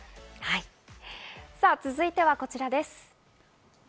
続いてはこちらです。